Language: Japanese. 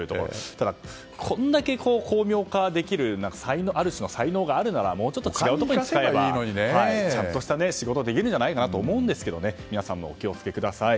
ただ、これだけ巧妙化できるある種の才能があるならもうちょっと違うところに使えばちゃんとした仕事ができるんじゃないかと思うんですが皆さんもお気を付けください。